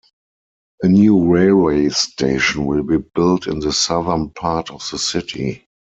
A new railway station will be built in the southern part of the city.